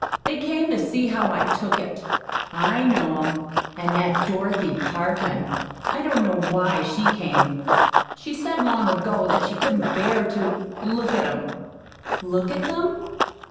They came to see how I took it. I know 'em. And that Dorothy Parkman I don't know WHY she came. She said long ago that she couldn't bear to look at 'em." "Look at them?"